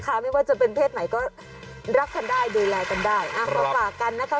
ไม่ว่าจะเป็นเพศไหนก็รักกันได้ดูแลกันได้อ่ะเราฝากกันนะคะ